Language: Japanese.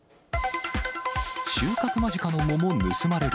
収穫間近の桃盗まれる。